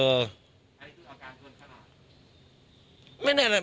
อันนี้คืออาการทนขนาด